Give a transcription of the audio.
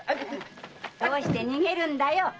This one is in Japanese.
どうして逃げるんだよ！